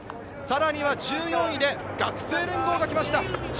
さらには１４位で学生連合が来ました。